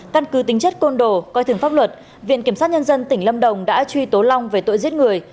căn cứ tính chất côn đồ coi thường pháp luật viện kiểm sát nhân dân tỉnh lâm đồng đã truy tố long về tội giết người